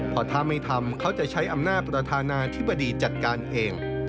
เพราะถ้าไม่ทำเขาจะใช้อำนาจประธานาธิบดีจัดการเอง